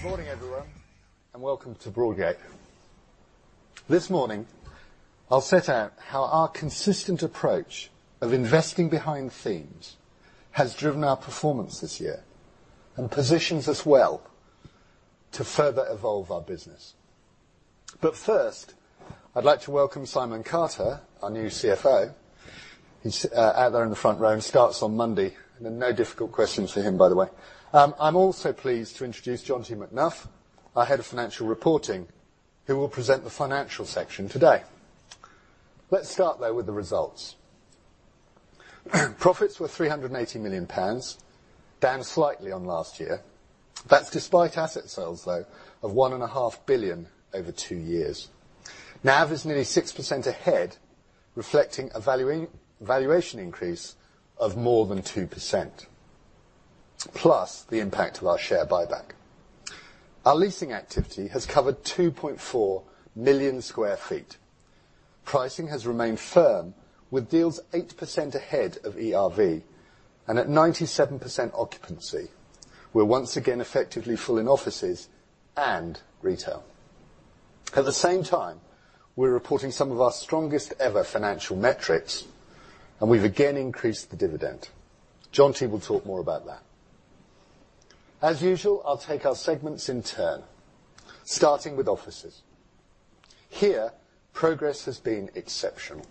Good morning, everyone, and welcome to Broadgate. This morning, I'll set out how our consistent approach of investing behind themes has driven our performance this year and positions us well to further evolve our business. First, I'd like to welcome Simon Carter, our new CFO, who's out there in the front row and starts on Monday. No difficult questions for him, by the way. I'm also pleased to introduce Jonty McNuff, our Head of Financial Reporting, who will present the financial section today. Let's start, though, with the results. Profits were 380 million pounds, down slightly on last year. That's despite asset sales, though, of 1.5 billion over two years. NAV is nearly 6% ahead, reflecting a valuation increase of more than 2%, plus the impact of our share buyback. Our leasing activity has covered 2.4 million sq ft. Pricing has remained firm, with deals 8% ahead of ERV and at 97% occupancy. We're once again effectively full in offices and retail. At the same time, we're reporting some of our strongest ever financial metrics, and we've again increased the dividend. Jonty will talk more about that. As usual, I'll take our segments in turn, starting with offices. Here, progress has been exceptional.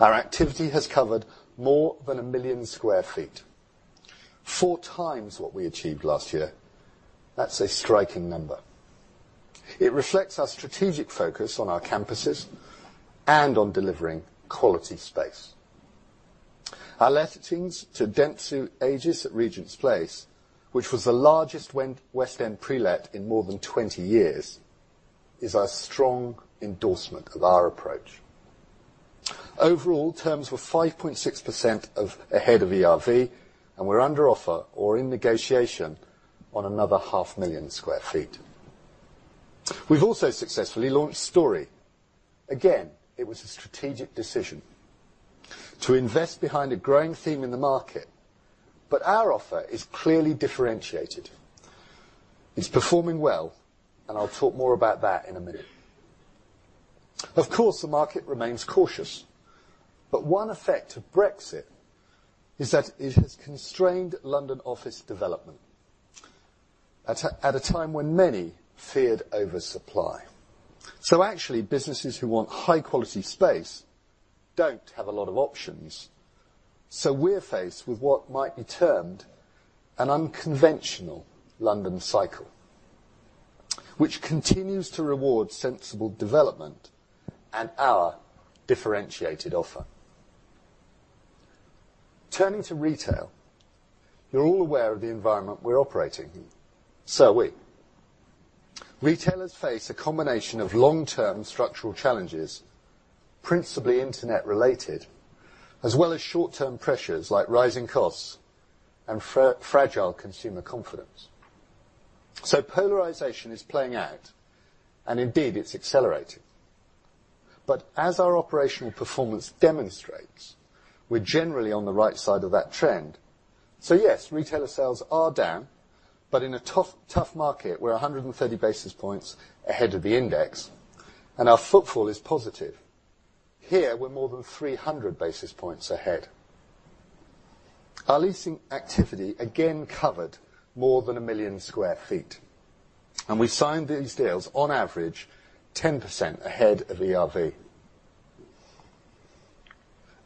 Our activity has covered more than 1 million sq ft, four times what we achieved last year. That's a striking number. It reflects our strategic focus on our campuses and on delivering quality space. Our lettings to Dentsu Aegis Network at Regent's Place, which was the largest West End pre-let in more than 20 years, is a strong endorsement of our approach. Overall, terms were 5.6% ahead of ERV, and we're under offer or in negotiation on another half million sq ft. We've also successfully launched Storey. Again, it was a strategic decision to invest behind a growing theme in the market, but our offer is clearly differentiated. It's performing well, and I'll talk more about that in a minute. Of course, the market remains cautious, but one effect of Brexit is that it has constrained London office development at a time when many feared oversupply. Actually, businesses who want high-quality space don't have a lot of options. We're faced with what might be termed an unconventional London cycle, which continues to reward sensible development and our differentiated offer. Turning to retail, you're all aware of the environment we're operating in. Are we. Retailers face a combination of long-term structural challenges, principally Internet related, as well as short-term pressures like rising costs and fragile consumer confidence. Polarization is playing out, and indeed it's accelerating. As our operational performance demonstrates, we're generally on the right side of that trend. Yes, retailer sales are down, but in a tough market, we're 130 basis points ahead of the index and our footfall is positive. Here we're more than 300 basis points ahead. Our leasing activity again covered more than 1 million sq ft, and we signed these deals on average 10% ahead of ERV.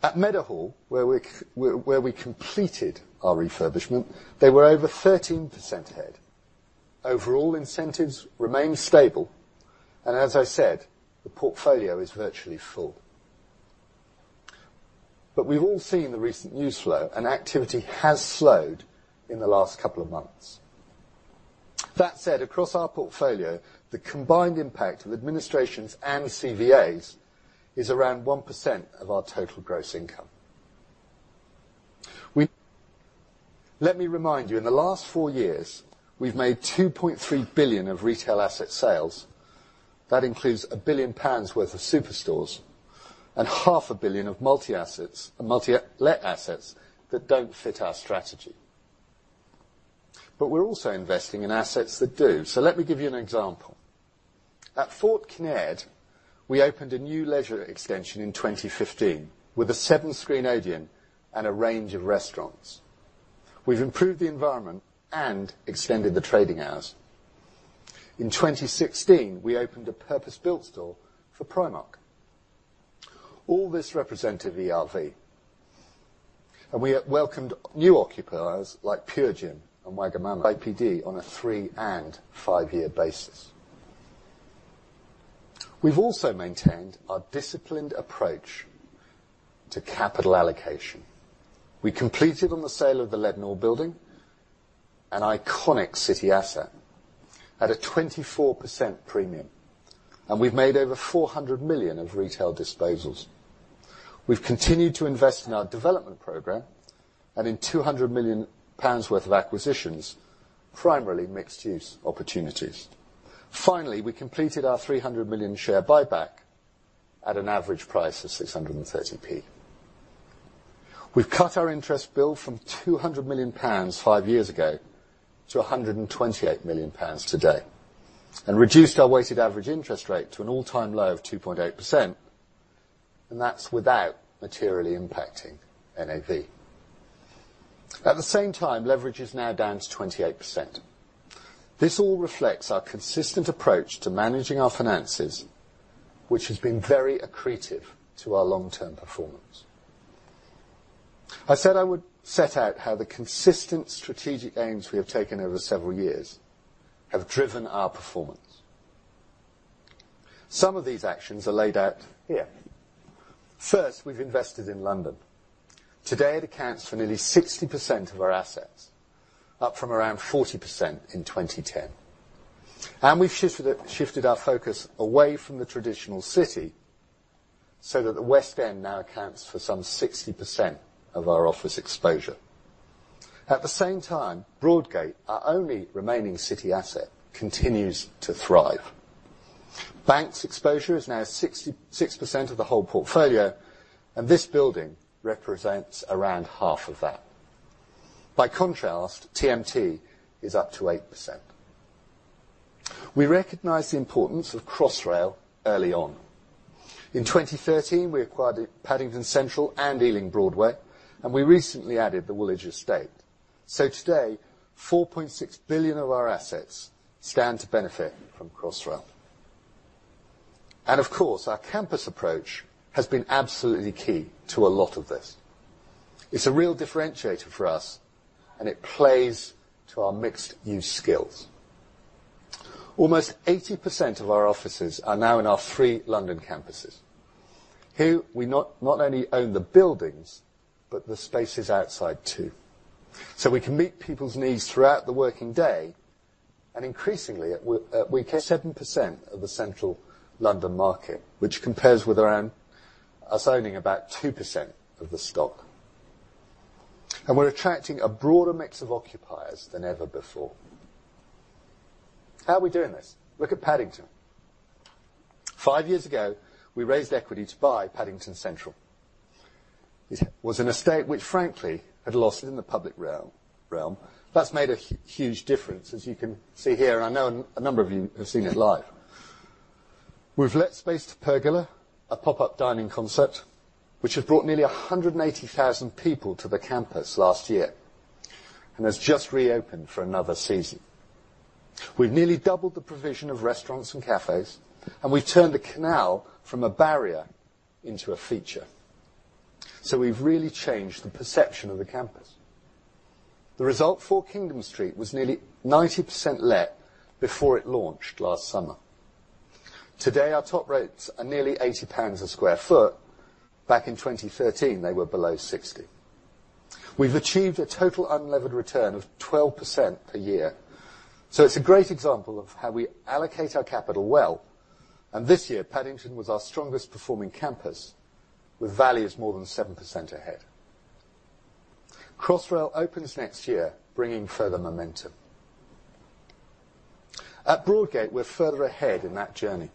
At Meadowhall, where we completed our refurbishment, they were over 13% ahead. Overall, incentives remained stable, and as I said, the portfolio is virtually full. We've all seen the recent news flow and activity has slowed in the last couple of months. That said, across our portfolio, the combined impact of administrations and CVAs is around 1% of our total gross income. Let me remind you, in the last four years, we've made 2.3 billion of retail asset sales. That includes 1 billion pounds worth of superstores and half a billion of multi-let assets that don't fit our strategy. We're also investing in assets that do. Let me give you an example. At Fort Kinnaird, we opened a new leisure extension in 2015 with a seven-screen Odeon and a range of restaurants. We've improved the environment and extended the trading hours. In 2016, we opened a purpose-built store for Primark. All this represented ERV, and we welcomed new occupiers like PureGym and Wagamama on a three and five-year basis. We've also maintained our disciplined approach to capital allocation. We completed on the sale of the Leadenhall Building, an iconic city asset, at a 24% premium, and we've made over 400 million of retail disposals. We've continued to invest in our development program and in 200 million pounds worth of acquisitions, primarily mixed-use opportunities. Finally, we completed our 300 million share buyback at an average price of 6.30. We've cut our interest bill from 200 million pounds five years ago to 128 million pounds today, and reduced our weighted average interest rate to an all-time low of 2.8%, and that's without materially impacting NAV. At the same time, leverage is now down to 28%. This all reflects our consistent approach to managing our finances, which has been very accretive to our long-term performance. I said I would set out how the consistent strategic aims we have taken over several years have driven our performance. Some of these actions are laid out here. First, we've invested in London. Today, it accounts for nearly 60% of our assets, up from around 40% in 2010. We've shifted our focus away from the traditional city, so that the West End now accounts for some 60% of our office exposure. At the same time, Broadgate, our only remaining city asset, continues to thrive. Banks exposure is now 66% of the whole portfolio, and this building represents around half of that. By contrast, TMT is up to 8%. We recognized the importance of Crossrail early on. In 2013, we acquired Paddington Central and Ealing Broadway, and we recently added the Woolwich estate. Today, 4.6 billion of our assets stand to benefit from Crossrail. Of course, our campus approach has been absolutely key to a lot of this. It's a real differentiator for us, and it plays to our mixed-use skills. Almost 80% of our offices are now in our three London campuses. Here, we not only own the buildings, but the spaces outside too. We can meet people's needs throughout the working day, and increasingly 7% of the Central London market, which compares with around us owning about 2% of the stock. We're attracting a broader mix of occupiers than ever before. How are we doing this? Look at Paddington. Five years ago, we raised equity to buy Paddington Central. It was an estate which frankly had lost it in the public realm. That's made a huge difference as you can see here, and I know a number of you have seen it live. We've let space to Pergola, a pop-up dining concept, which had brought nearly 180,000 people to the campus last year, and has just reopened for another season. We've nearly doubled the provision of restaurants and cafes, and we've turned the canal from a barrier into a feature. We've really changed the perception of the campus. The result for Kingdom Street was nearly 90% let before it launched last summer. Today, our top rates are nearly 80 pounds a square foot. Back in 2013, they were below 60. We've achieved a total unlevered return of 12% a year. It's a great example of how we allocate our capital well, and this year, Paddington was our strongest performing campus with values more than 7% ahead. Crossrail opens next year, bringing further momentum. At Broadgate, we're further ahead in that journey.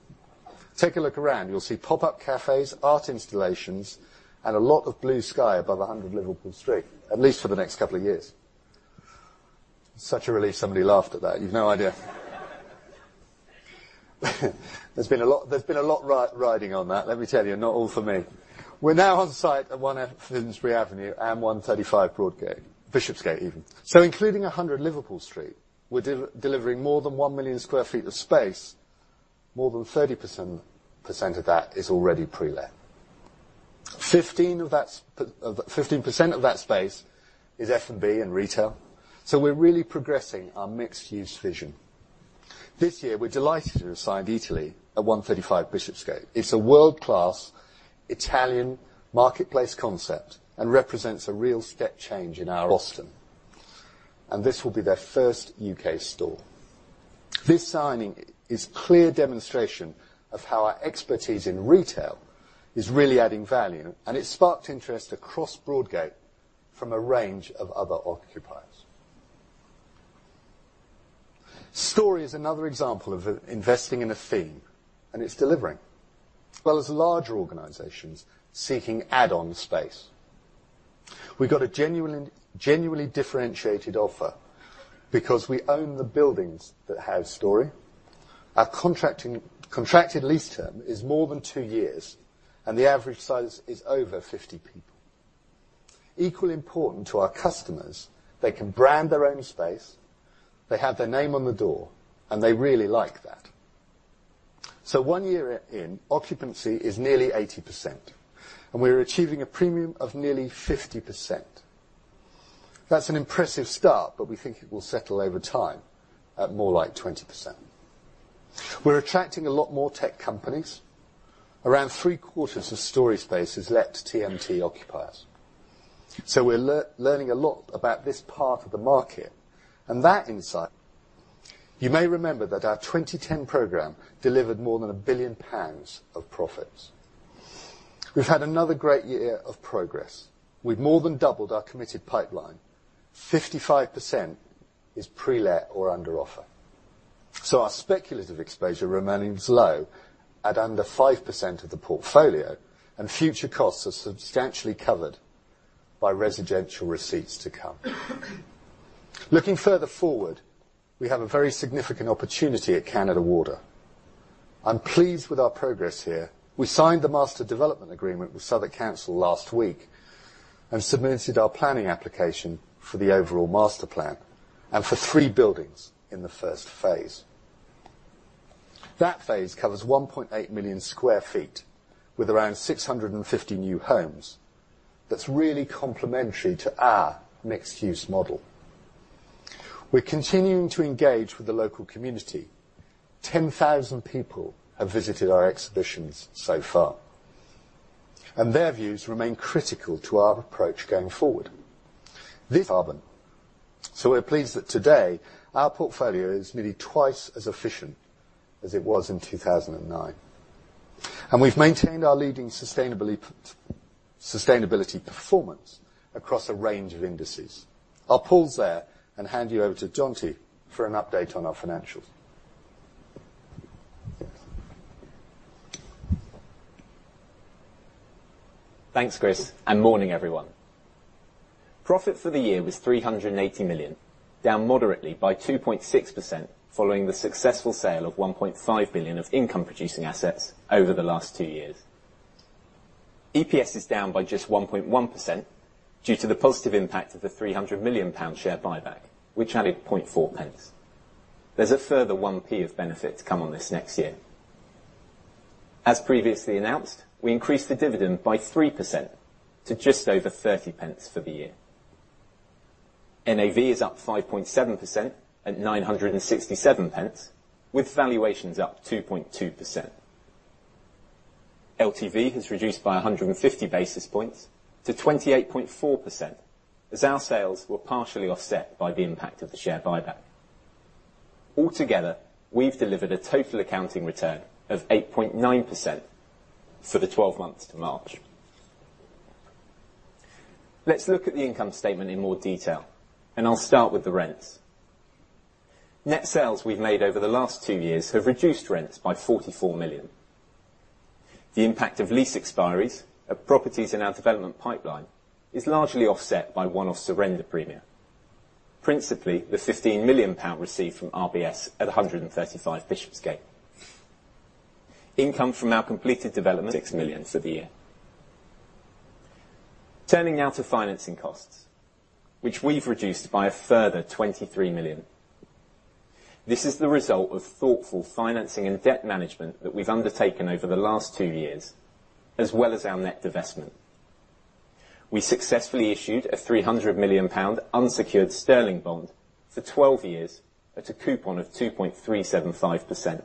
Take a look around. You'll see pop-up cafes, art installations, and a lot of blue sky above 100 Liverpool Street, at least for the next couple of years. Such a relief somebody laughed at that. You've no idea. There's been a lot riding on that, let me tell you, not all for me. We're now on site at 1 Finsbury Avenue and 135 Bishopsgate even. Including 100 Liverpool Street, we're delivering more than 1 million square feet of space. More than 30% of that is already pre-let. 15% of that space is F&B and retail, we're really progressing our mixed-use vision. This year, we're delighted to have signed Eataly at 135 Bishopsgate. It's a world-class Italian marketplace concept and represents a real step change in our offering. This will be their first U.K. store. This signing is clear demonstration of how our expertise in retail is really adding value, and it sparked interest across Broadgate from a range of other occupiers. Storey is another example of investing in a theme, and it's delivering. As well as larger organizations seeking add-on space. We've got a genuinely differentiated offer because we own the buildings that house Storey. Our contracted lease term is more than 2 years, and the average size is over 50 people. Equally important to our customers, they can brand their own space, they have their name on the door, and they really like that. One year in, occupancy is nearly 80%, and we're achieving a premium of nearly 50%. That's an impressive start, but we think it will settle over time at more like 20%. We're attracting a lot more tech companies. Around three-quarters of Storey space is let to TMT occupiers. We're learning a lot about this part of the market, and that insight. You may remember that our 2010 program delivered more than 1 billion pounds of profits. We've had another great year of progress. We've more than doubled our committed pipeline. 55% is pre-let or under offer. Our speculative exposure remains low at under 5% of the portfolio, and future costs are substantially covered by residential receipts to come. Looking further forward, we have a very significant opportunity at Canada Water. I'm pleased with our progress here. We signed the Master Development Agreement with Southwark Council last week and submitted our planning application for the overall master plan and for 3 buildings in the first phase. That phase covers 1.8 million square feet with around 650 new homes. That's really complementary to our mixed-use model. We're continuing to engage with the local community. 10,000 people have visited our exhibitions so far, and their views remain critical to our approach going forward. This urban. We're pleased that today our portfolio is nearly twice as efficient as it was in 2009. We've maintained our leading sustainability performance across a range of indices. I'll pause there and hand you over to Jonty for an update on our financials. Thanks, Chris, morning, everyone. Profit for the year was 380 million, down moderately by 2.6%, following the successful sale of 1.5 billion of income-producing assets over the last two years. EPS is down by just 1.1% due to the positive impact of the 300 million pound share buyback, which added 0.004. There's a further 0.01 of benefit to come on this next year. As previously announced, we increased the dividend by 3% to just over 0.30 for the year. NAV is up 5.7% at 9.67, with valuations up 2.2%. LTV has reduced by 150 basis points to 28.4%, as our sales were partially offset by the impact of the share buyback. Altogether, we've delivered a total accounting return of 8.9% for the 12 months to March. Let's look at the income statement in more detail. I'll start with the rents. Net sales we've made over the last two years have reduced rents by 44 million. The impact of lease expiries of properties in our development pipeline is largely offset by one-off surrender premium. Principally, the 15 million pound received from RBS at 135 Bishopsgate. Income from our completed developments, 6 million for the year. Turning now to financing costs, which we've reduced by a further 23 million. This is the result of thoughtful financing and debt management that we've undertaken over the last two years, as well as our net divestment. We successfully issued a 300 million pound unsecured sterling bond for 12 years at a coupon of 2.375%.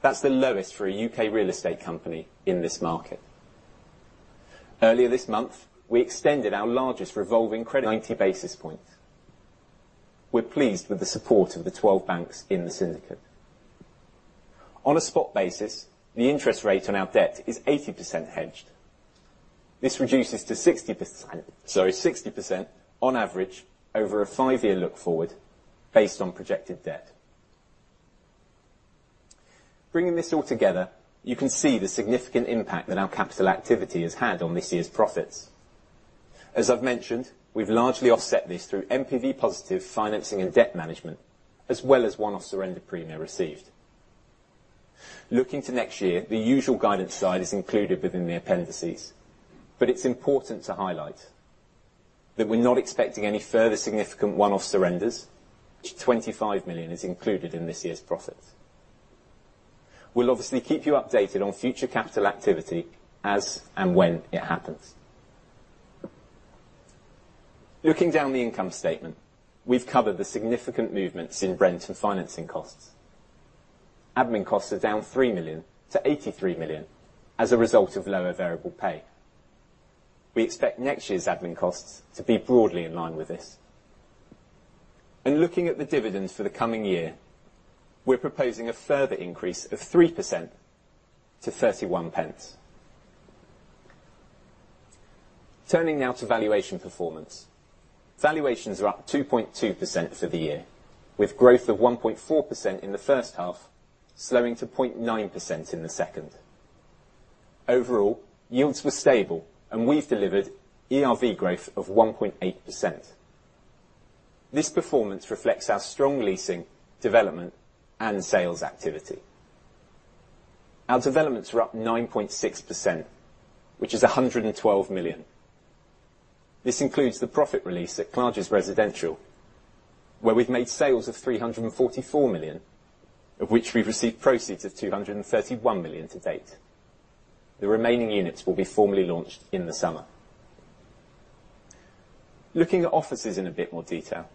That's the lowest for a U.K. real estate company in this market. Earlier this month, we extended our largest revolving credit, 90 basis points. We're pleased with the support of the 12 banks in the syndicate. On a spot basis, the interest rate on our debt is 80% hedged. This reduces to 60% on average over a five-year look forward based on projected debt. Bringing this all together, you can see the significant impact that our capital activity has had on this year's profits. As I've mentioned, we've largely offset this through NPV positive financing and debt management, as well as one-off surrender premium received. Looking to next year, the usual guidance slide is included within the appendices. It's important to highlight that we're not expecting any further significant one-off surrenders. 25 million is included in this year's profits. We'll obviously keep you updated on future capital activity as and when it happens. Looking down the income statement, we've covered the significant movements in rent and financing costs. Admin costs are down 3 million to 83 million as a result of lower variable pay. We expect next year's admin costs to be broadly in line with this. In looking at the dividends for the coming year, we're proposing a further increase of 3% to 0.31. Turning now to valuation performance. Valuations are up 2.2% for the year, with growth of 1.4% in the first half slowing to 0.9% in the second. Overall, yields were stable and we've delivered ERV growth of 1.8%. This performance reflects our strong leasing, development, and sales activity. Our developments were up 9.6%, which is 112 million. This includes the profit release at Clarges Residential, where we've made sales of 344 million, of which we've received proceeds of 231 million to date. The remaining units will be formally launched in the summer. Looking at offices in a bit more detail.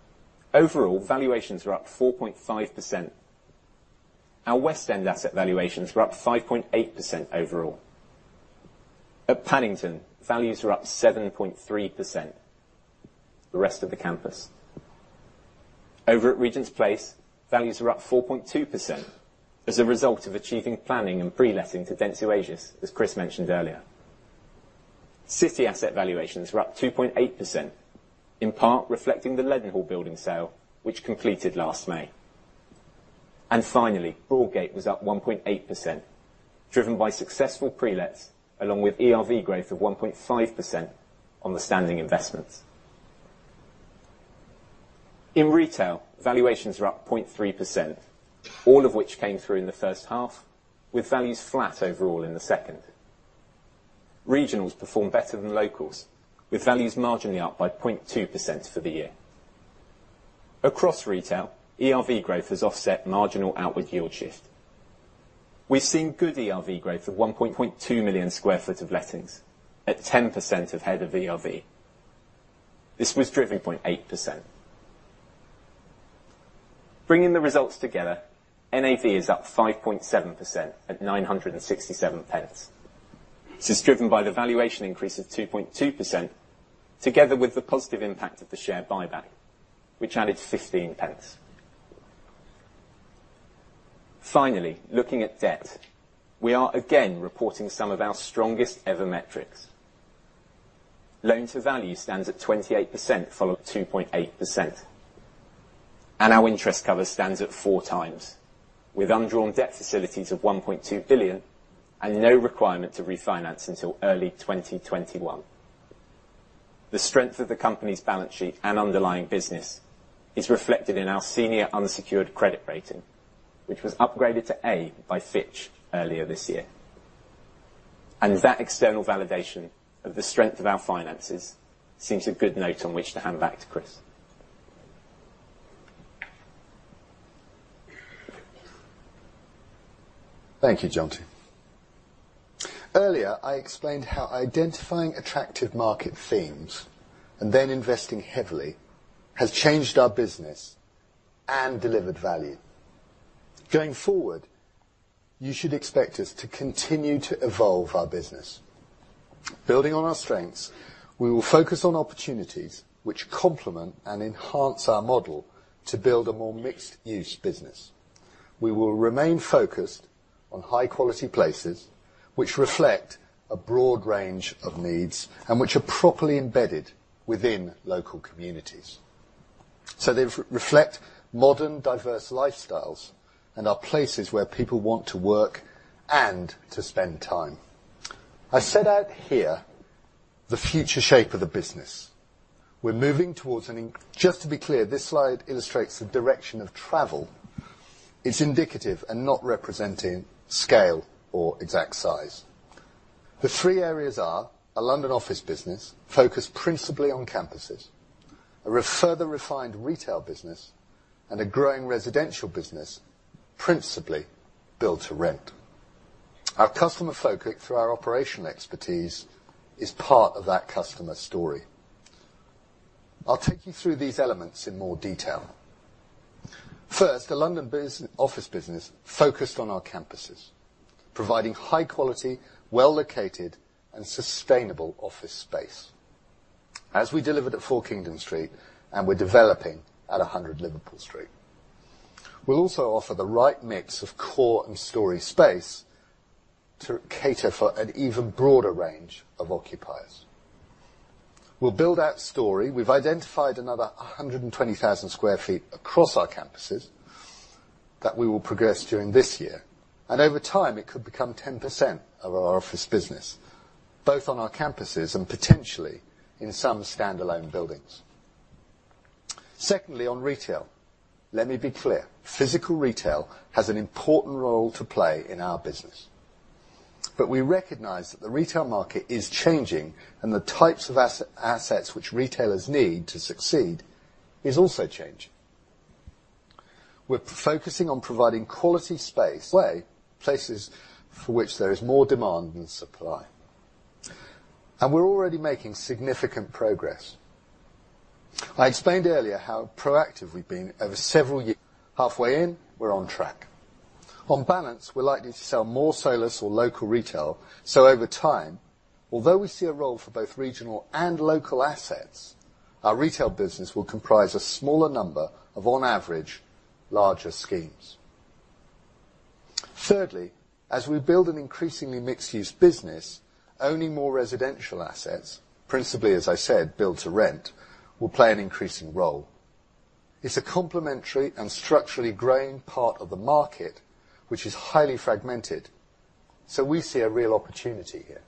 Overall, valuations are up 4.5%. Our West End asset valuations were up 5.8% overall. At Paddington, values are up 7.3%, the rest of the campus. Over at Regent's Place, values are up 4.2% as a result of achieving planning and pre-letting to Dentsu Aegis, as Chris mentioned earlier. City asset valuations were up 2.8%, in part reflecting the Leadenhall Building sale, which completed last May. Finally, Broadgate was up 1.8%, driven by successful pre-lets, along with ERV growth of 1.5% on the standing investments. In retail, valuations are up 0.3%, all of which came through in the first half, with values flat overall in the second. Regionals performed better than locals, with values marginally up by 0.2% for the year. Across retail, ERV growth has offset marginal outward yield shift. We've seen good ERV growth of 1.2 million sq ft of lettings, at 10% ahead of ERV. This was driven 0.8%. Bringing the results together, NAV is up 5.7% at 9.67. This is driven by the valuation increase of 2.2%, together with the positive impact of the share buyback, which added 0.15. Finally, looking at debt, we are again reporting some of our strongest ever metrics. Loan to value stands at 28%, followed 2.8%. Our interest cover stands at 4 times, with undrawn debt facilities of 1.2 billion, and no requirement to refinance until early 2021. The strength of the company's balance sheet and underlying business is reflected in our senior unsecured credit rating, which was upgraded to A by Fitch earlier this year. That external validation of the strength of our finances seems a good note on which to hand back to Chris. Thank you, Jonty. Earlier, I explained how identifying attractive market themes and then investing heavily has changed our business and delivered value. Going forward, you should expect us to continue to evolve our business. Building on our strengths, we will focus on opportunities which complement and enhance our model to build a more mixed-use business. We will remain focused on high-quality places which reflect a broad range of needs and which are properly embedded within local communities. They reflect modern, diverse lifestyles and are places where people want to work and to spend time. I set out here the future shape of the business. We're moving towards. Just to be clear, this slide illustrates the direction of travel. It's indicative and not representing scale or exact size. The three areas are a London office business focused principally on campuses, a further refined retail business, and a growing residential business, principally Build to Rent. Our customer focus through our operational expertise is part of that customer story. I'll take you through these elements in more detail. First, a London office business focused on our campuses, providing high quality, well-located and sustainable office space, as we delivered at 4 Kingdom Street and we're developing at 100 Liverpool Street. We'll also offer the right mix of core and Storey space to cater for an even broader range of occupiers. We'll build that Storey. We've identified another 120,000 sq ft across our campuses that we will progress during this year. Over time, it could become 10% of our office business, both on our campuses and potentially in some standalone buildings. Secondly, on retail. Let me be clear, physical retail has an important role to play in our business. We recognize that the retail market is changing and the types of assets which retailers need to succeed is also changing. We're focusing on providing quality places for which there is more demand than supply. We're already making significant progress. I explained earlier how proactive we've been over several years. Halfway in, we're on track. On balance, we're likely to sell more solus or local retail. Over time, although we see a role for both regional and local assets, our retail business will comprise a smaller number of, on average, larger schemes. Thirdly, as we build an increasingly mixed-use business, owning more residential assets, principally, as I said, Build to Rent, will play an increasing role. It's a complementary and structurally growing part of the market, which is highly fragmented. We see a real opportunity here.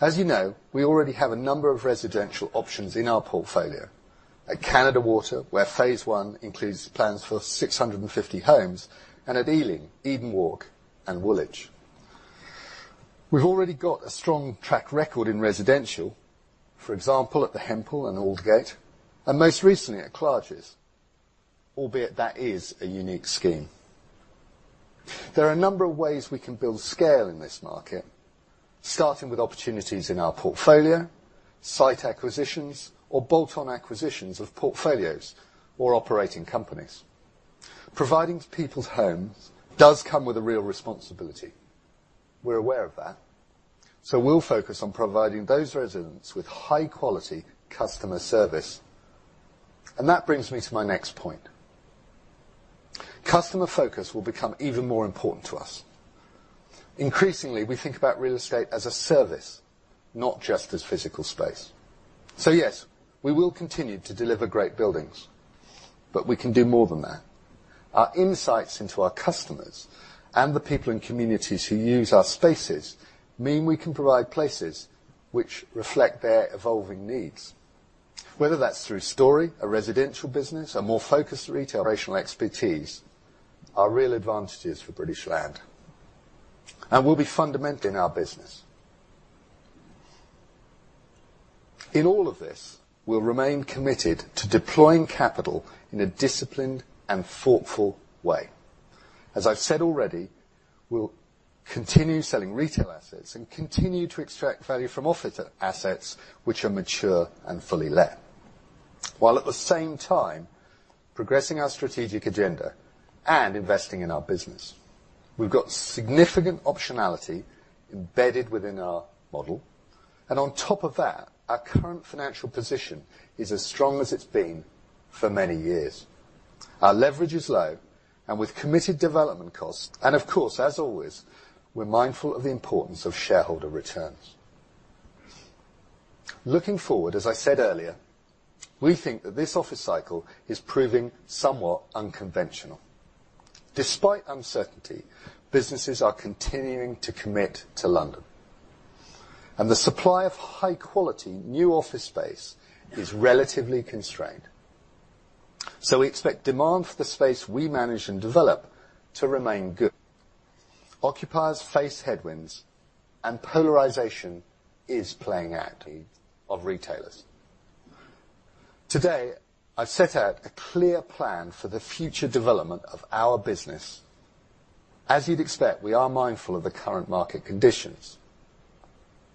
As you know, we already have a number of residential options in our portfolio. At Canada Water, where phase one includes plans for 650 homes, and at Ealing, Eden Walk and Woolwich. We've already got a strong track record in residential. For example, at The Hempel and Aldgate, and most recently at Clarges, albeit that is a unique scheme. There are a number of ways we can build scale in this market, starting with opportunities in our portfolio, site acquisitions, or bolt-on acquisitions of portfolios or operating companies. Providing people's homes does come with a real responsibility. We're aware of that. We'll focus on providing those residents with high-quality customer service. That brings me to my next point. Customer focus will become even more important to us. Increasingly, we think about real estate as a service, not just as physical space. Yes, we will continue to deliver great buildings, but we can do more than that. Our insights into our customers and the people in communities who use our spaces mean we can provide places which reflect their evolving needs, whether that's through Storey, a residential business, a more focused retail, operational expertise are real advantages for British Land and will be fundamental in our business. In all of this, we'll remain committed to deploying capital in a disciplined and thoughtful way. As I've said already, we'll continue selling retail assets and continue to extract value from office assets which are mature and fully let, while at the same time progressing our strategic agenda and investing in our business. We've got significant optionality embedded within our model. On top of that, our current financial position is as strong as it's been for many years. Our leverage is low and with committed development costs. Of course, as always, we're mindful of the importance of shareholder returns. Looking forward, as I said earlier, we think that this office cycle is proving somewhat unconventional. Despite uncertainty, businesses are continuing to commit to London. The supply of high-quality new office space is relatively constrained. We expect demand for the space we manage and develop to remain good. Occupiers face headwinds and polarization is playing out of retailers. Today, I've set out a clear plan for the future development of our business. As you'd expect, we are mindful of the current market conditions,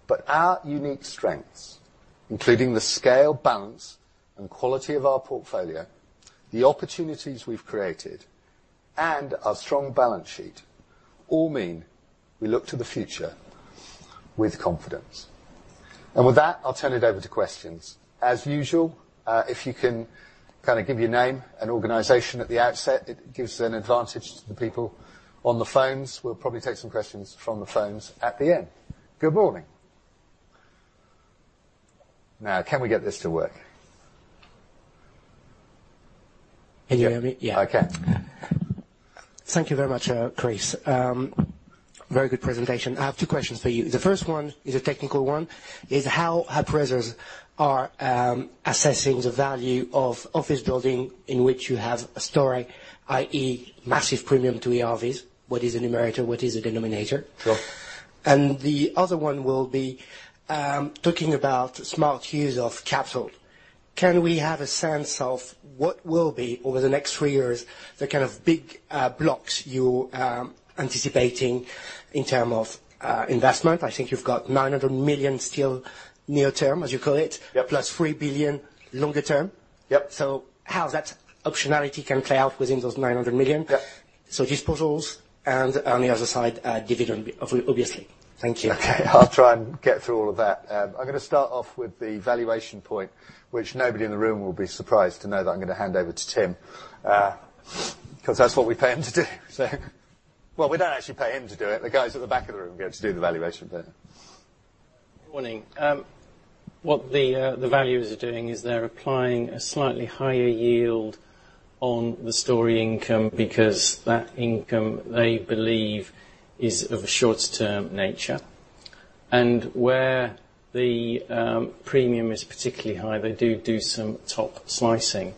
but our unique strengths, including the scale, balance, and quality of our portfolio, the opportunities we've created, and our strong balance sheet all mean we look to the future with confidence. With that, I'll turn it over to questions. As usual, if you can kind of give your name and organization at the outset, it gives an advantage to the people on the phones. We'll probably take some questions from the phones at the end. Good morning. Can we get this to work? Can you hear me? Yeah, I can. Thank you very much, Chris. Very good presentation. I have two questions for you. The first one is a technical one, is how appraisers are assessing the value of office building in which you have a Storey, i.e., massive premium to ERV is. What is a numerator, what is a denominator? Sure. The other one will be talking about smart use of capital. Can we have a sense of what will be over the next three years, the kind of big blocks you're anticipating in term of investment? I think you've got 900 million still near term, as you call it. Yep plus 3 billion longer term. Yep. How that optionality can play out within those 900 million? Yep. Disposals and on the other side, dividend, obviously. Thank you. Okay. I'll try and get through all of that. I'm going to start off with the valuation point, which nobody in the room will be surprised to know that I'm going to hand over to Tim. That's what we pay him to do. Well, we don't actually pay him to do it. The guys at the back of the room get to do the valuation bit. Morning. What the valuers are doing is they're applying a slightly higher yield on the Storey income because that income, they believe, is of a short-term nature. Where the premium is particularly high, they do do some top slicing.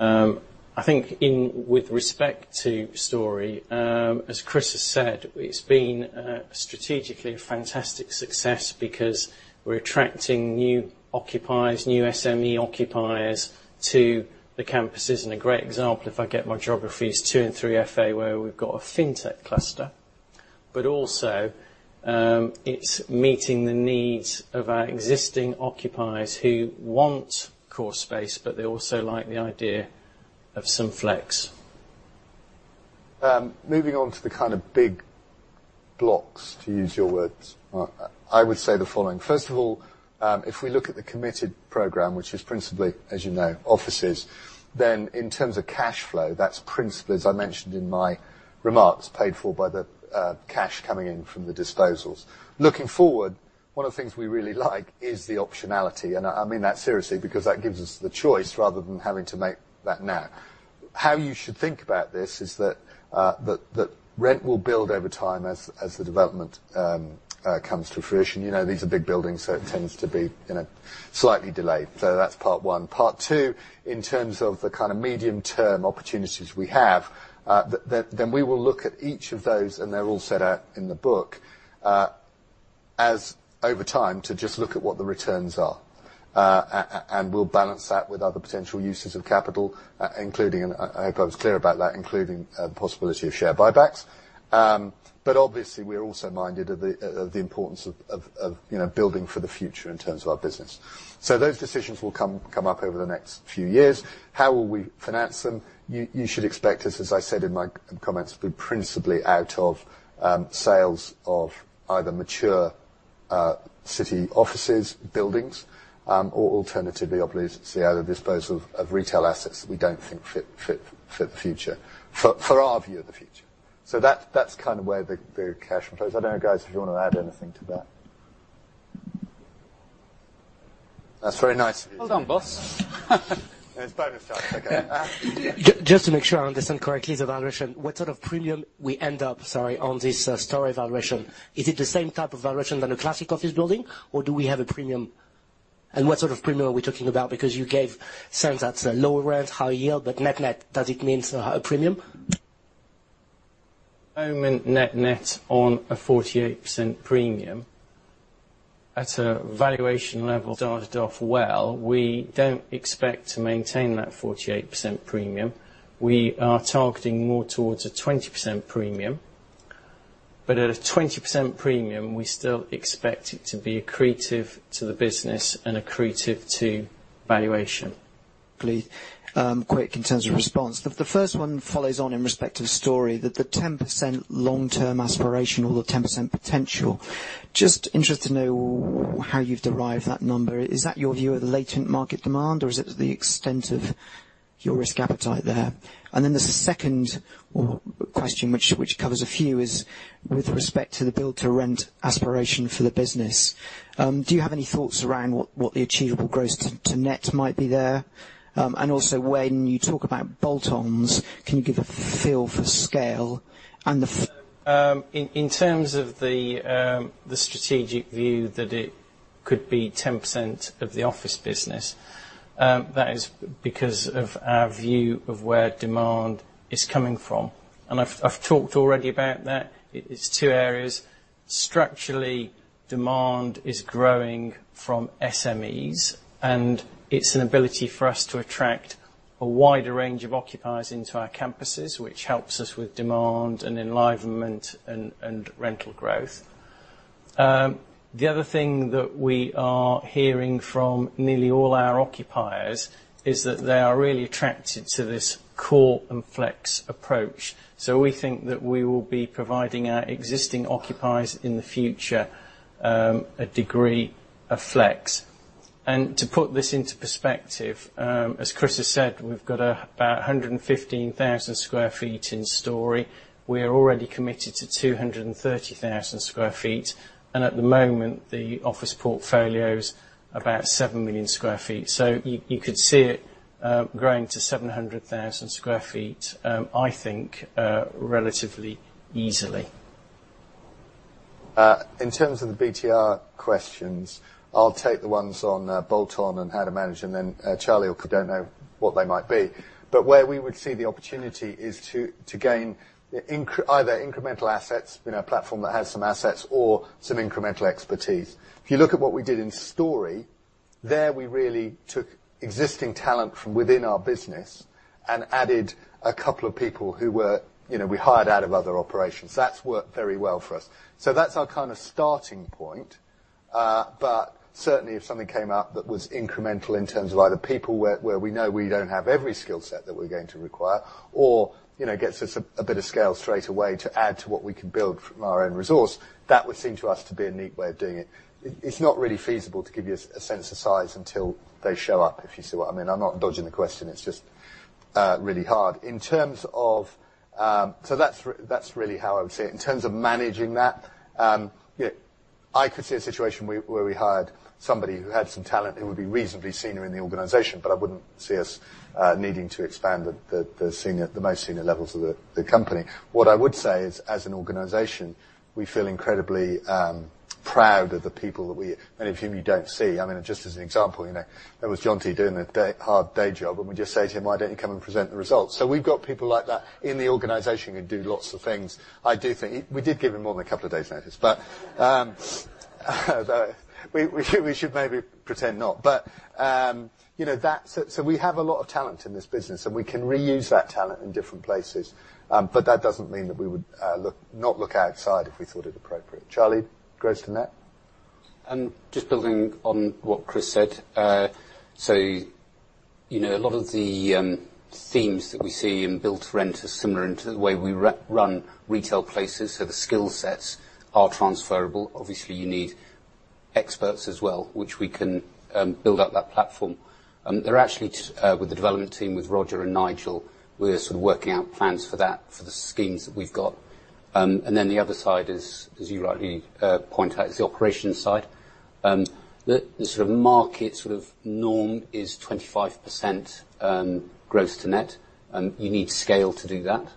I think with respect to Storey, as Chris has said, it's been strategically a fantastic success because we're attracting new occupiers, new SME occupiers to the campuses. A great example, if I get my geography, is 2 and 3 FA where we've got a FinTech cluster. Also, it's meeting the needs of our existing occupiers who want core space, but they also like the idea of some flex. Moving on to the kind of big blocks, to use your words, Mark. I would say the following. First of all, if we look at the committed program, which is principally, as you know, offices, in terms of cash flow, that's principally, as I mentioned in my remarks, paid for by the cash coming in from the disposals. Looking forward, one of the things we really like is the optionality, and I mean that seriously because that gives us the choice rather than having to make that now. How you should think about this is that rent will build over time as the development comes to fruition. These are big buildings, so it tends to be slightly delayed. That's part one. Part two, in terms of the kind of medium-term opportunities we have, we will look at each of those, and they're all set out in the book, over time to just look at what the returns are. We'll balance that with other potential uses of capital, I hope I was clear about that, including the possibility of share buybacks. Obviously, we're also minded of the importance of building for the future in terms of our business. Those decisions will come up over the next few years. How will we finance them? You should expect us, as I said in my comments, to be principally out of sales of either mature City offices, buildings, or alternatively, I'll be able to see how the dispose of retail assets that we don't think fit for the future, for our view of the future. That's kind of where the cash flows. I don't know, guys, if you want to add anything to that. That's very nice of you. Well done, boss. It's bonus time. Okay. Just to make sure I understand correctly the valuation, what sort of premium we end up, sorry, on this Storey valuation? Is it the same type of valuation than a classic office building or do we have a premium? What sort of premium are we talking about? You gave sense that lower rent, higher yield, but net net, does it mean a higher premium? At the moment, net net on a 48% premium. At a valuation level, started off well. We don't expect to maintain that 48% premium. We are targeting more towards a 20% premium. At a 20% premium, we still expect it to be accretive to the business and accretive to valuation. Quick in terms of response. The first one follows on in respect to Storey, that the 10% long-term aspiration or the 10% potential. Just interested to know how you've derived that number. Is that your view of the latent market demand, or is it the extent of your risk appetite there? The second question, which covers a few, is with respect to the build-to-rent aspiration for the business. Do you have any thoughts around what the achievable gross to net might be there? Also, when you talk about bolt-ons, can you give a feel for scale and the In terms of the strategic view that it could be 10% of the office business, that is because of our view of where demand is coming from. I've talked already about that. It's two areas. Structurally, demand is growing from SMEs, and it's an ability for us to attract a wider range of occupiers into our campuses, which helps us with demand and enlivenment and rental growth. The other thing that we are hearing from nearly all our occupiers is that they are really attracted to this core and flex approach. We think that we will be providing our existing occupiers in the future, a degree of flex. To put this into perspective, as Chris has said, we've got about 115,000 sq ft in Storey. We are already committed to 230,000 sq ft. At the moment, the office portfolio is about 7 million sq ft. You could see it growing to 700,000 sq ft, I think, relatively easily. In terms of the BTR questions, I'll take the ones on bolt-on and how to manage them. Where we would see the opportunity is to gain either incremental assets in a platform that has some assets or some incremental expertise. If you look at what we did in Storey, there we really took existing talent from within our business and added a couple of people who we hired out of other operations. That's worked very well for us. That's our kind of starting point. Certainly, if something came up that was incremental in terms of either people where we know we don't have every skill set that we're going to require or gets us a bit of scale straight away to add to what we can build from our own resource, that would seem to us to be a neat way of doing it. It's not really feasible to give you a sense of size until they show up, if you see what I mean. I'm not dodging the question, it's just really hard. That's really how I would see it. In terms of managing that, I could see a situation where we hired somebody who had some talent who would be reasonably senior in the organization, but I wouldn't see us needing to expand the most senior levels of the company. What I would say is, as an organization, we feel incredibly proud of the people that we, many of whom you don't see. Just as an example, there was Jonty doing a hard day job, and we just say to him, "Why don't you come and present the results?" We've got people like that in the organization who do lots of things. We did give him more than a couple of days notice. We should maybe pretend not. We have a lot of talent in this business, and we can reuse that talent in different places. That doesn't mean that we would not look outside if we thought it appropriate. Charlie, gross to net? Just building on what Chris said. A lot of the themes that we see in Build to Rent are similar to the way we run retail places, so the skill sets are transferable. Obviously, you need experts as well, which we can build up that platform. They're actually with the development team, with Roger and Nigel. We're sort of working out plans for that, for the schemes that we've got. The other side is, as you rightly point out, is the operations side. The sort of market norm is 25% gross to net. You need scale to do that,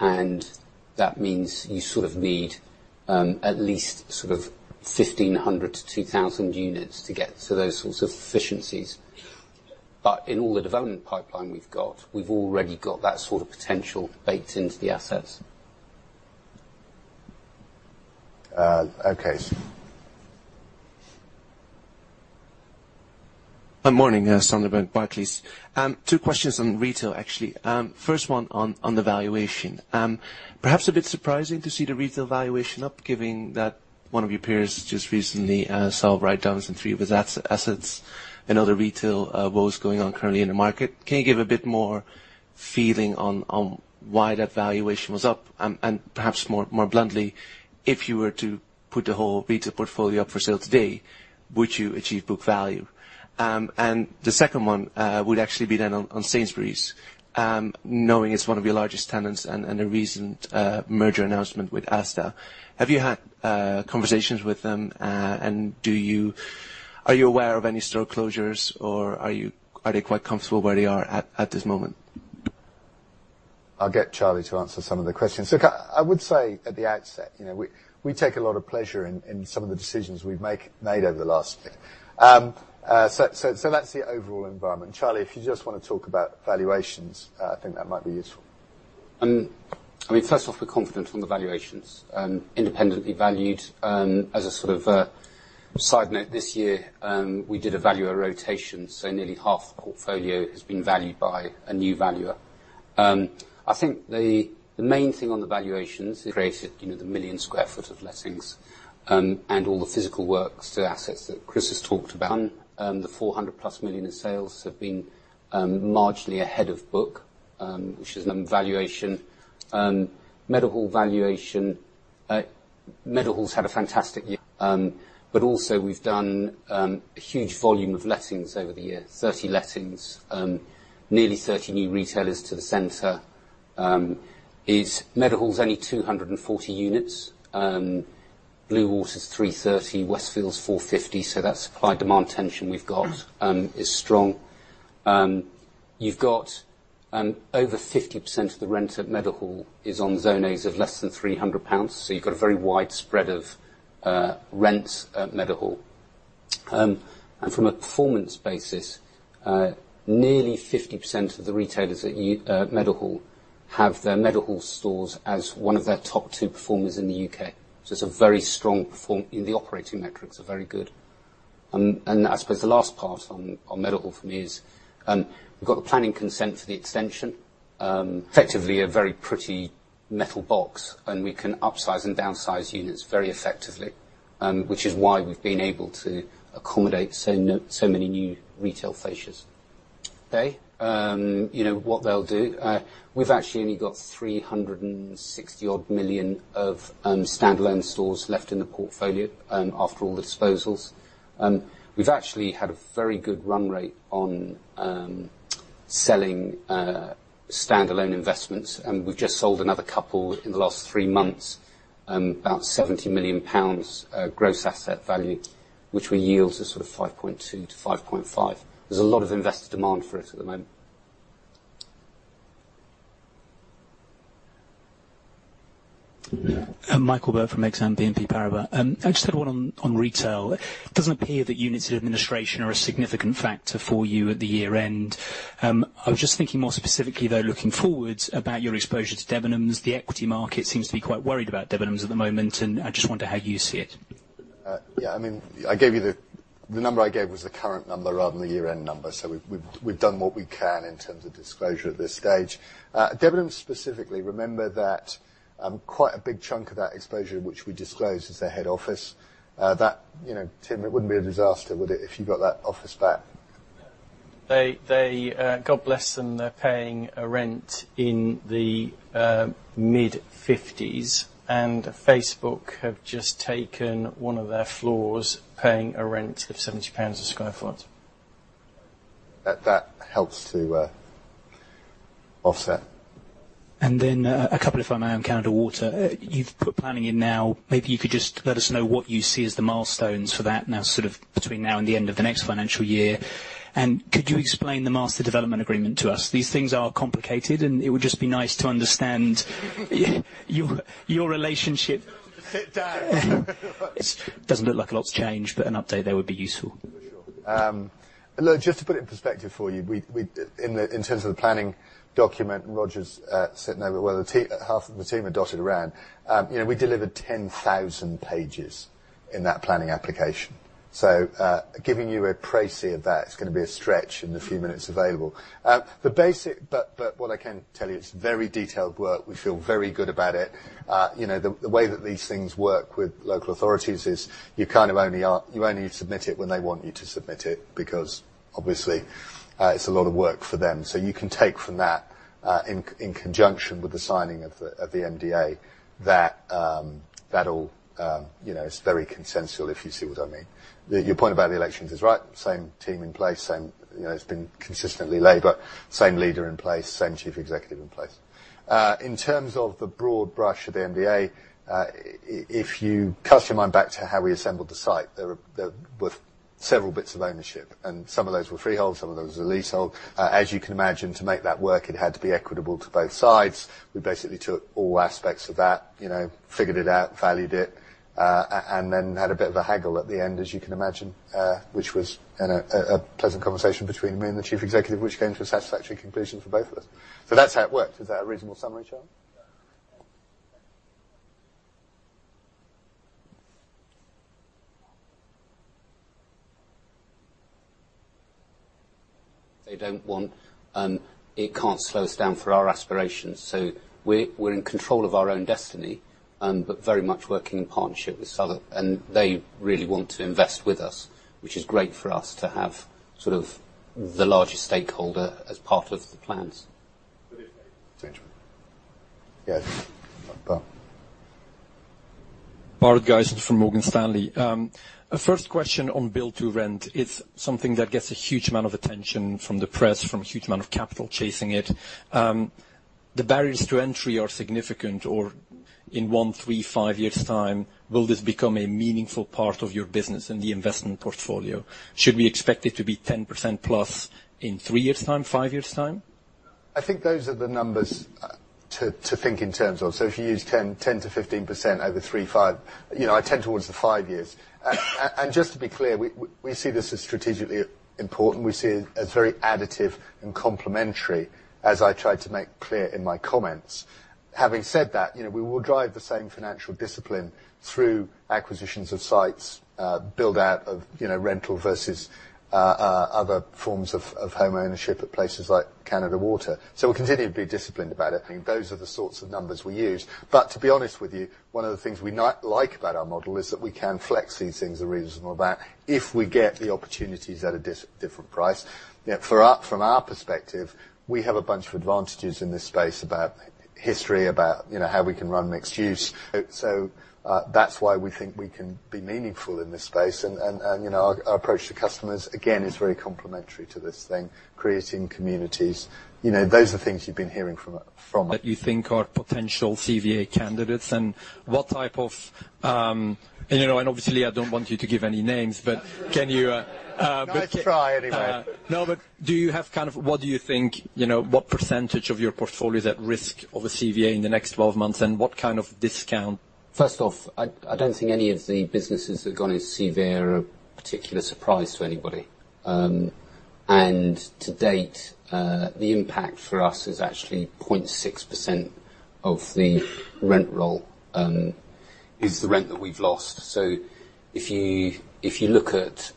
and that means you sort of need at least 1,500-2,000 units to get to those sorts of efficiencies. In all the development pipeline we've got, we've already got that sort of potential baked into the assets. Okay. Good morning. Sander van, Barclays. Two questions on retail, actually. First one on the valuation. Perhaps a bit surprising to see the retail valuation up given that one of your peers just recently wrote down three of his assets and sold them and other retail. What was going on currently in the market? Can you give a bit more feeling on why that valuation was up and perhaps more bluntly, if you were to put the whole retail portfolio up for sale today, would you achieve book value? The second one would actually be then on Sainsbury's, knowing it's one of your largest tenants and the recent merger announcement with Asda, have you had conversations with them, and are you aware of any store closures, or are they quite comfortable where they are at this moment? I'll get Charlie to answer some of the questions. Look, I would say at the outset, we take a lot of pleasure in some of the decisions we've made over the last year. That's the overall environment. Charlie, if you just want to talk about valuations, I think that might be useful. I mean, first off, we're confident on the valuations, independently valued. As a sort of a side note, this year, we did a valuer rotation, so nearly half the portfolio has been valued by a new valuer. I think the main thing on the valuations, we created the 1 million sq ft of lettings, and all the physical works to assets that Chris has talked about. The 400 million-plus in sales have been largely ahead of book, which is valuation. Meadowhall valuation. Meadowhall's had a fantastic year, but also we've done a huge volume of lettings over the year, 30 lettings, nearly 30 new retailers to the center. Meadowhall's only 240 units. Bluewater's 330, Westfield's 450. That supply-demand tension we've got is strong. You've got over 50% of the rent at Meadowhall is on Zone A, is of less than 300 pounds, you've got a very wide spread of rents at Meadowhall. From a performance basis, nearly 50% of the retailers at Meadowhall have their Meadowhall stores as one of their top two performers in the U.K. It's a very strong perform, the operating metrics are very good. I suppose the last part on Meadowhall for me is, we've got the planning consent for the extension. Effectively, a very pretty metal box, and we can upsize and downsize units very effectively, which is why we've been able to accommodate so many new retail faces. Okay. What they'll do, we've actually only got 360-odd million of standalone stores left in the portfolio, after all the disposals. We've actually had a very good run rate on selling standalone investments, we've just sold another couple in the last three months, about 70 million pounds gross asset value, which were yields of sort of 5.2%-5.5%. There's a lot of investor demand for it at the moment. Mike Prew from Exane BNP Paribas. I just had one on retail. It doesn't appear that units of administration are a significant factor for you at the year-end. I was just thinking more specifically, though, looking forward about your exposure to Debenhams. The equity market seems to be quite worried about Debenhams at the moment, I just wonder how you see it. Yeah. The number I gave was the current number rather than the year-end number. We've done what we can in terms of disclosure at this stage. Debenhams specifically, remember that quite a big chunk of that exposure which we disclosed is their head office. Tim, it wouldn't be a disaster, would it, if you got that office back? No. God bless them, they're paying a rent in the mid-50s. Facebook have just taken one of their floors, paying a rent of 70 pounds a square foot. That helps to offset. Then, a couple if I may on Canada Water. You've put planning in now, maybe you could just let us know what you see as the milestones for that now, sort of between now and the end of the next financial year. Could you explain the Master Development Agreement to us? These things are complicated, and it would just be nice to understand your relationship. Sit down. It doesn't look like a lot's changed, an update there would be useful. For sure. Look, just to put it in perspective for you, in terms of the planning document, Roger is sitting over there. Well, half of the team are dotted around. We delivered 10,000 pages in that planning application. Giving you a précis of that is going to be a stretch in the few minutes available. What I can tell you, it's very detailed work. We feel very good about it. The way that these things work with local authorities is you kind of only submit it when they want you to submit it, because obviously, it's a lot of work for them. You can take from that, in conjunction with the signing of the NDA that all is very consensual, if you see what I mean. Your point about the elections is right. Same team in place, it's been consistently Labour, same leader in place, same chief executive in place. In terms of the broad brush of the NDA, if you cast your mind back to how we assembled the site, there were several bits of ownership, and some of those were freehold, some of those were leasehold. As you can imagine, to make that work, it had to be equitable to both sides. We basically took all aspects of that, figured it out, valued it, and then had a bit of a haggle at the end, as you can imagine, which was a pleasant conversation between me and the Chief Executive, which came to a satisfactory conclusion for both of us. That's how it worked. Is that a reasonable summary, Charlie? Yeah. They don't want, it can't slow us down for our aspirations. We're in control of our own destiny. Very much working in partnership with Southwark, and they really want to invest with us, which is great for us to have sort of the largest stakeholder as part of the plans. Bart Gysens from Morgan Stanley. A first question on build-to-rent. It's something that gets a huge amount of attention from the press, from a huge amount of capital chasing it. The barriers to entry are significant, or in one, three, five years' time, will this become a meaningful part of your business in the investment portfolio? Should we expect it to be 10% plus in three years' time, five years' time? I think those are the numbers to think in terms of. If you use 10%-15% over three, five, I tend towards the five years. Just to be clear, we see this as strategically important. We see it as very additive and complementary, as I tried to make clear in my comments. Having said that, we will drive the same financial discipline through acquisitions of sites, build-out of rental versus other forms of home ownership at places like Canada Water. We'll continue to be disciplined about it, and those are the sorts of numbers we use. To be honest with you, one of the things we like about our model is that we can flex these things a reasonable amount if we get the opportunities at a different price. From our perspective, we have a bunch of advantages in this space about history, about how we can run mixed use. That's why we think we can be meaningful in this space. Our approach to customers, again, is very complementary to this thing, creating communities. Those are things you've been hearing from us. That you think are potential CVA candidates. Obviously I don't want you to give any names, can you? I'd try anyway. Do you have kind of, what do you think, what percentage of your portfolio is at risk of a CVA in the next 12 months, and what kind of discount? First off, I don't think any of the businesses that have gone into CVA are a particular surprise to anybody. To date, the impact for us is actually 0.6% of the rent roll, is the rent that we've lost. If you look at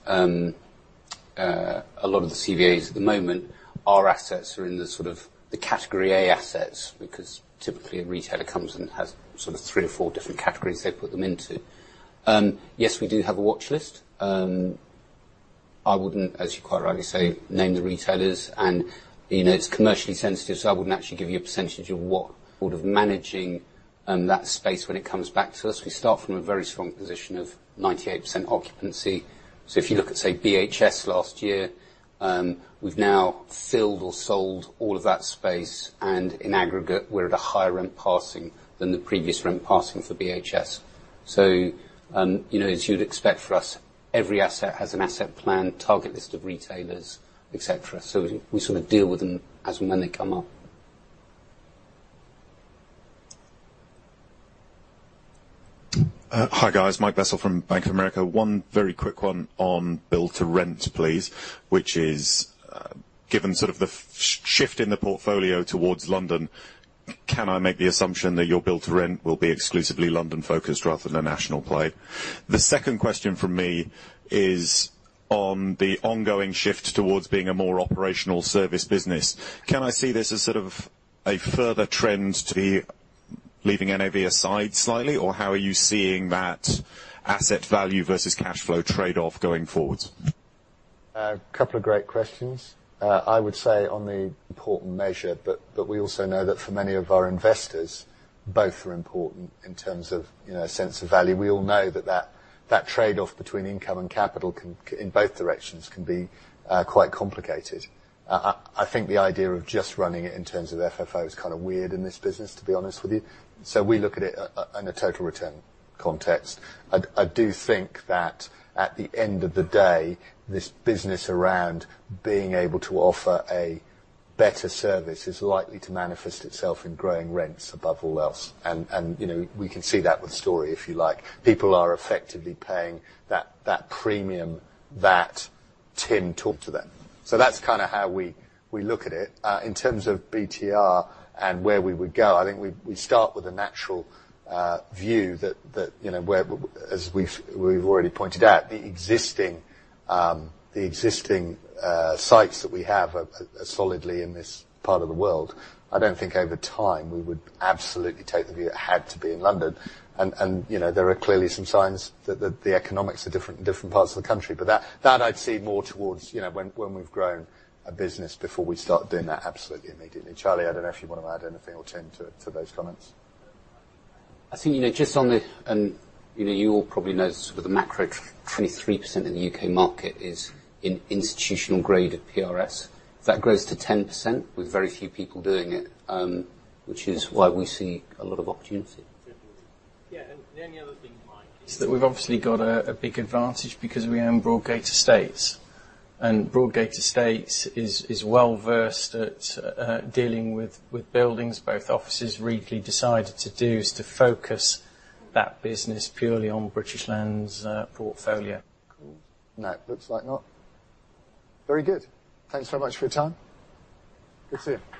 a lot of the CVAs at the moment, our assets are in the sort of the category A assets, because typically a retailer comes and has sort of three or four different categories they put them into. Yes, we do have a watchlist. I wouldn't, as you quite rightly say, name the retailers and it's commercially sensitive, so I wouldn't actually give you a percentage of what sort of managing that space when it comes back to us. We start from a very strong position of 98% occupancy. If you look at, say, BHS last year, we've now filled or sold all of that space, and in aggregate, we're at a higher rent passing than the previous rent passing for BHS. As you'd expect for us, every asset has an asset plan, target list of retailers, et cetera. We sort of deal with them as and when they come up. Hi, guys. Mike Bessell from Bank of America. One very quick one on Build to Rent, please, which is, given sort of the shift in the portfolio towards London, can I make the assumption that your Build to Rent will be exclusively London-focused rather than a national play? The second question from me is on the ongoing shift towards being a more operational service business. Can I see this as sort of a further trend to be leaving NAV aside slightly, or how are you seeing that asset value versus cash flow trade-off going forward? A couple of great questions. I would say on the important measure, but we also know that for many of our investors, both are important in terms of sense of value. We all know that that trade-off between income and capital in both directions can be quite complicated. I think the idea of just running it in terms of FFO is kind of weird in this business, to be honest with you. We look at it in a total return context. I do think that at the end of the day, this business around being able to offer a better service is likely to manifest itself in growing rents above all else, and we can see that with Storey, if you like. People are effectively paying that premium that Tim talked about. That's kind of how we look at it. In terms of BTR and where we would go, I think we start with a natural view that as we've already pointed out, the existing sites that we have are solidly in this part of the world. I don't think over time we would absolutely take the view it had to be in London. There are clearly some signs that the economics are different in different parts of the country. That I'd see more towards when we've grown a business before we start doing that absolutely immediately. Charlie, I don't know if you want to add anything or Tim to those comments. I think, just on the, you all probably know this with the macro, 23% in the U.K. market is in institutional grade at PRS. That grows to 10% with very few people doing it, which is why we see a lot of opportunity. Yeah. The only other thing I might say is that we've obviously got a big advantage because we own Broadgate Estates. Broadgate Estates is well-versed at dealing with buildings, both offices. Really decided to do is to focus that business purely on British Land's portfolio. Cool. No, it looks like not. Very good. Thanks very much for your time. Good to see you.